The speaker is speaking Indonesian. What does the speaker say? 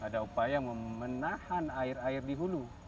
ada upaya memenahan air air di hulu